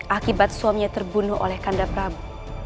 akibat suaminya terbunuh oleh kandaprabo